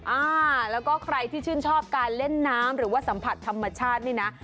อ่าแล้วก็ใครที่ชื่นชอบการเล่นน้ำหรือว่าสัมผัสธรรมชาตินี่นะ